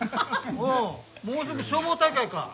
おおもうすぐ消防大会か。